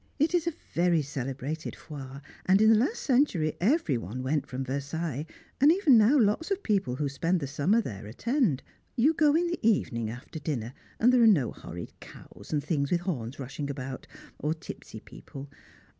It is a very celebrated Foire, and in the last century every one went from Versailles, and even now lots of people who spend the summer there attend. You go in the evening after dinner, and there are no horrid cows and things with horns rushing about, or tipsy people.